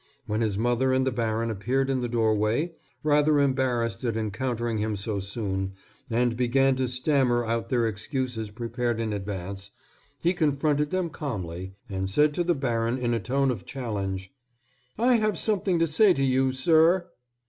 When his mother and the baron appeared in the doorway, rather embarrassed at encountering him so soon, and began to stammer out their excuses prepared in advance, he confronted them calmly, and said to the baron in a tone of challenge: "I have something to say to you, sir."